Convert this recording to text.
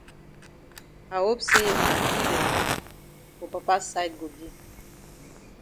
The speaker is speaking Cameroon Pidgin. I hope say ma aunty dem for papa side go be.